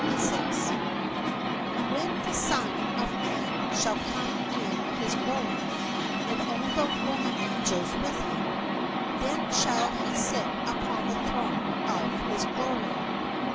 31 46 THE SHEEP AND THE GOATS the Son man shall come in his glory, and all the holy angels with him, then shall he sit upon the throne of his glory.